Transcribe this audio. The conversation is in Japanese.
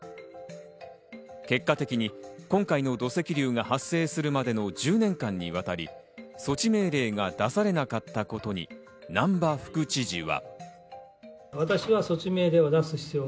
結果的に今回の土石流が発生するまでの１０年間にわたり、措置命令が出されなかったことに難波副知事は。